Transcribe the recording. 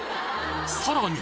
さらに！